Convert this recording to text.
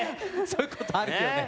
そういうことあるよね。